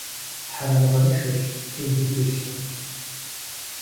Хьэрэмыгъэншэщ, Ӏей игу илъкъым.